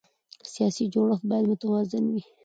سیاسي جوړښت باید متوازن وي